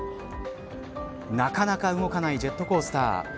なかなか動かないジェットコースター。